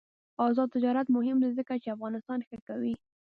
آزاد تجارت مهم دی ځکه چې افغانستان ښه کوي.